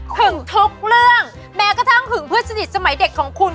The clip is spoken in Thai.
ึงทุกเรื่องแม้กระทั่งหึงเพื่อนสนิทสมัยเด็กของคุณ